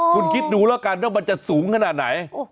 คุณคิดดูแล้วกันว่ามันจะสูงขนาดไหน